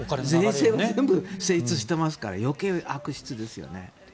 全部精通していますから余計、悪質ですよね。